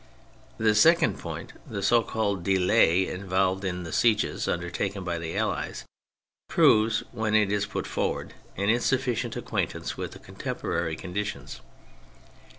The second point, the so called *' delay " involved in the sieges undertaken by the Allies, proves, when it is put forward, an insufficient acquaintance with contemporary conditions.